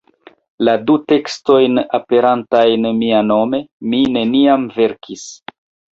La du tekstojn aperantajn mianome mi neniam verkis!